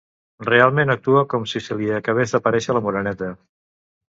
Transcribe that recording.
Realment actua com si se li acabés d'aparèixer la Moreneta.